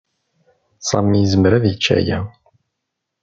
Sami yezmer ad yečč aya.